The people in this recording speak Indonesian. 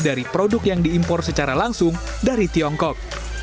dari produk yang diimpor secara langsung dari tiongkok